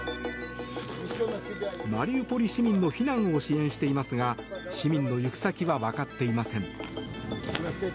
マリウポリ市民の避難を支援していますが市民の行く先は分かっていません。